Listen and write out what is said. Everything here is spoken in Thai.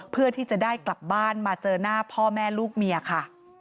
เพื่อที่จะได้กลับบ้านมาเจอหน้าพ่อแม่ลูกเมียค่ะ